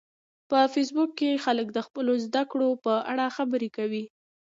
په فېسبوک کې خلک د خپلو زده کړو په اړه خبرې کوي